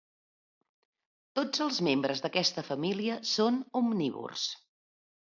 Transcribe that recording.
Tots els membres d'aquesta família són omnívors.